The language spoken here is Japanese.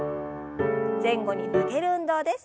前後に曲げる運動です。